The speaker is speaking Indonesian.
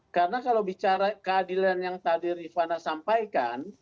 karena kalau bicara keadilan yang tadi rifana sampaikan